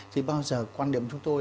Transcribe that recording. thì bao giờ quan điểm chúng tôi